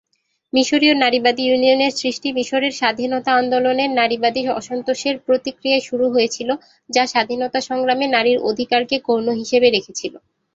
মিশরীয় নারীবাদী ইউনিয়নের সৃষ্টি মিশরের স্বাধীনতা আন্দোলনের নারীবাদী অসন্তোষের প্রতিক্রিয়ায় শুরু হয়েছিল, যা স্বাধীনতা সংগ্রামে নারীর অধিকারকে গৌণ হিসেবে রেখেছিল।